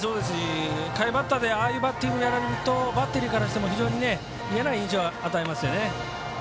下位バッターでああいうバッティングやられるとバッテリーからしても非常に嫌な印象を与えますよね。